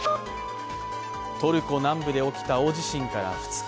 トルコ南部で起きた大地震から２日。